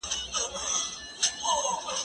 زه له سهاره ونې ته اوبه ورکوم؟!